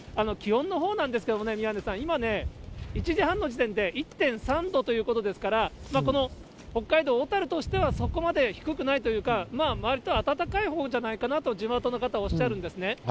気温のほうなんですけれども、宮根さん、今ね、１時半の時点で１．３度ということですから、この北海道小樽としては、そこまで低くないというか、まあ、わりと暖かいほうじゃないかなと地元の方、おっしゃるんですね。